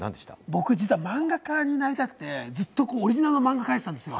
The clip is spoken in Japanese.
僕、実は漫画家になりたくて、オリジナルの漫画を描いてたんですよ。